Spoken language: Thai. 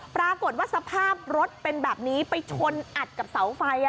ปรากฏว่าสภาพรถเป็นแบบนี้ไปชนอัดกับเสาไฟ